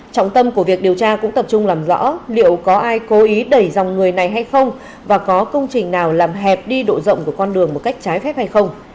trọng tâm của việc điều tra cũng tập trung làm rõ liệu có ai cố ý đẩy dòng người này hay không và có công trình nào làm hẹp đi độ rộng của con đường một cách trái phép hay không